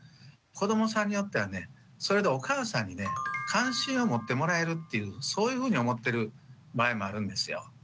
子どもさんによってはそれでお母さんに関心を持ってもらえるっていうそういうふうに思ってる場合もあるんですよ。